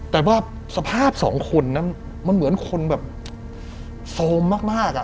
แต่ว่าสภาพสองคนนั้นมันเหมือนคนแบบโซมมาก